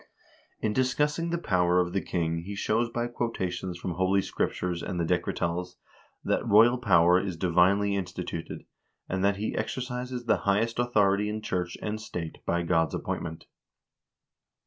In discussing the power of the king he shows by quotations from Holy Scriptures and the Decretals that royal power is divinely in stituted, and that he exercises the highest authority in church and state by God's appointment.